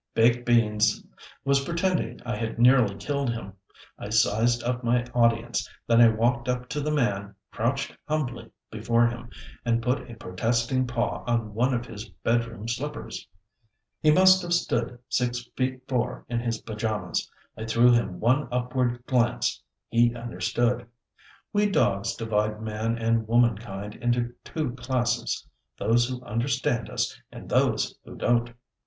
Baked Beans was pretending I had nearly killed him. I sized up my audience, then I walked up to the man, crouched humbly before him, and put a protesting paw on one of his bed room slippers. He must have stood six feet four in his pajamas. I threw him one upward glance. He understood. We dogs divide man and womankind into two classes. Those who understand us, and those who don't.